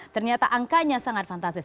ternyata angkanya sangat fantastis